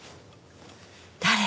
誰？